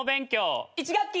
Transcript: １学期。